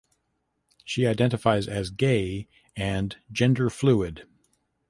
She identifies as gay and genderfluid.